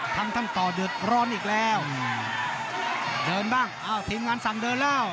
ท่านต่อเดือดร้อนอีกแล้วเดินบ้างอ้าวทีมงานสั่งเดินแล้ว